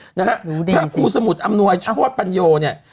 พระครูสมุทรอำนวยโชพันโยเนี่ย